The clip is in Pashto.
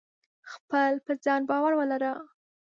خپل په ځان باور ولره !